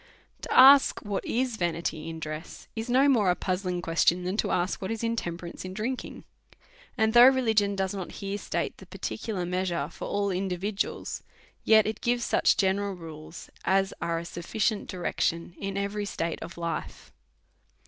To ask what is vanity in dress, is no more a puz zling question than to ask wlipt is intemperance in drinking ; and though religion does not here state the particular measure for ail individuals, yet it gives such general rules as are a sufficient direction in every state of life.